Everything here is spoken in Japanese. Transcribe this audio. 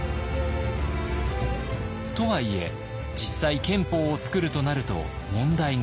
とはいえ実際憲法をつくるとなると問題が噴出。